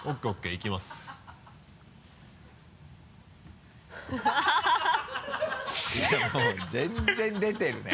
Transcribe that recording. いやもう全然出てるね。